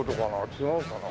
違うかな？